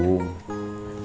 dua yang suami indigenous